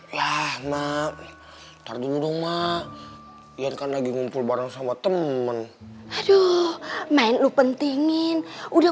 ya emang taruh dulu ma iya kan lagi ngumpul bareng sama temen aduh main lu pentingin udah